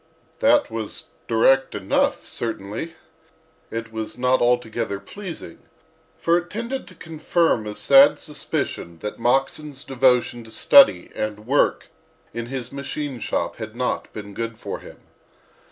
That was direct enough, certainly. It was not altogether pleasing, for it tended to confirm a sad suspicion that Moxon's devotion to study and work in his machine shop had not been good for him.